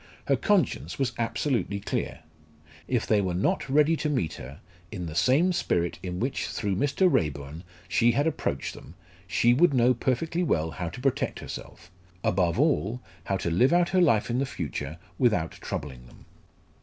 Her conscience was absolutely clear. If they were not ready to meet her in the same spirit in which through Mr. Raeburn she had approached them, she would know perfectly well how to protect herself above all, how to live out her life in the future without troubling them.